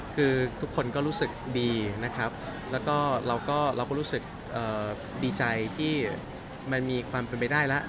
คือทุกคนก็รู้สึกดีนะครับแล้วก็เราก็รู้สึกดีใจที่มันมีความเป็นไปได้แล้ว